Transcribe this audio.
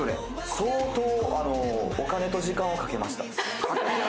相当、お金と時間をかけました。